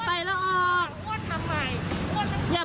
ทางหลังก็ก็ทางขึ้นลงไหมคะ